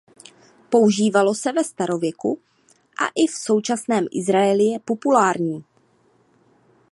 Používalo se ve starověku a i v současném Izraeli je populární.